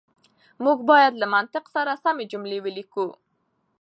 موږ بايد له منطق سره سمې جملې وليکو.